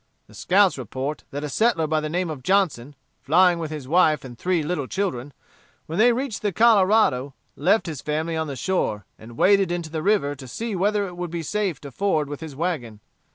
"The scouts report that a settler by the name of Johnson, flying with his wife and three little children, when they reached the Colorado, left his family on the shore, and waded into the river to see whether it would be safe to ford with his wagon.